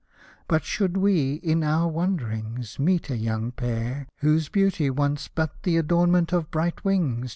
But should we, in our wanderings. Meet a young pair, whose beauty wants But the adornment of bright wings.